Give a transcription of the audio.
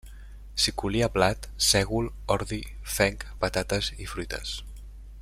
S'hi collia blat, sègol, ordi, fenc, patates i fruites.